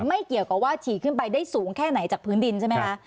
ไม่เกี่ยวกับว่าฉี่ขึ้นไปได้สูงแค่ไหนจากพื้นดินใช่ไหมคะ